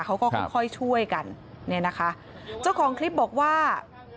เขาก็ค่อยค่อยช่วยกันเนี่ยนะคะเจ้าของคลิปบอกว่า